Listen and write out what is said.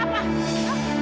kamu sudah terbaik